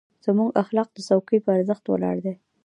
زموږ اخلاق د څوکۍ په ارزښت ولاړ دي.